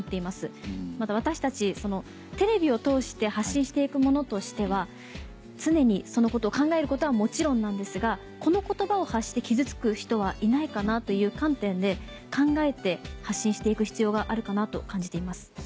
また私たちテレビを通して発信して行く者としては常にそのことを考えることはもちろんなんですがこの言葉を発して傷つく人はいないかなという観点で考えて発信して行く必要があるかなと感じています。